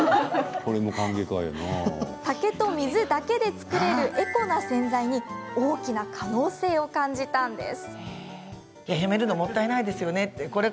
竹と水だけで作れるエコな洗剤に大きな可能性を感じたんです。